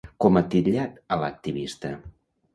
Com ha titllat a l'activista?